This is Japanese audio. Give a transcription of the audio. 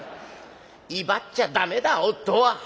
威張っちゃ駄目だ夫は。